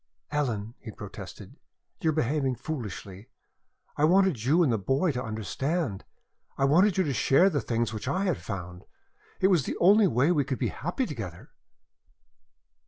"Ellen," he protested, "you are behaving foolishly. I wanted you and the boy to understand. I wanted you to share the things which I had found. It was the only way we could be happy together."